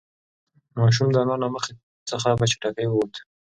ماشوم د انا له مخې څخه په چټکۍ ووت.